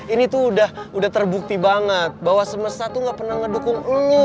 ini tuh udah terbukti banget bahwa semesta tuh gak pernah ngedukung